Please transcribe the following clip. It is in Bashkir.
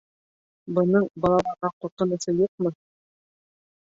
Бының балаларға ҡурҡынысы юҡмы?